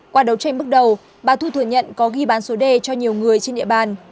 qua đấu tranh bước đầu bà thu thừa nhận có ghi bán số đề cho nhiều người trên địa bàn